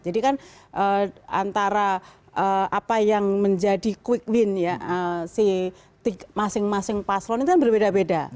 jadi kan antara apa yang menjadi quick win ya si masing masing paslon itu kan berbeda beda